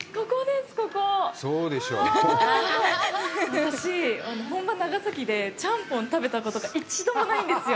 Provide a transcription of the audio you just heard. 私、本場長崎でチャンポンを食べたことが一度もないんですよ。